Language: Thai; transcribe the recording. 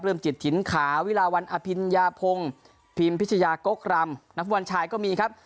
เริ่มจิตถินขาวีราวันอพิญญาพงศ์พิมพิชยากกรรมนักภูมิวันชายก็มีครับ